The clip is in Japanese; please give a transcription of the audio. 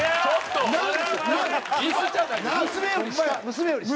娘より下。